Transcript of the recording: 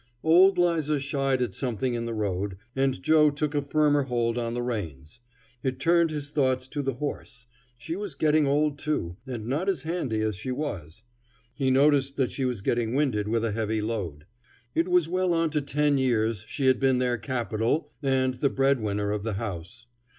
Old 'Liza shied at something in the road, and Joe took a firmer hold on the reins. It turned his thoughts to the horse. She was getting old, too, and not as handy as she was. He noticed that she was getting winded with a heavy load. It was well on to ten years she had been their capital and the breadwinner of the house.